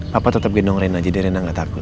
papa tetep gendong rena jadi rena gak takut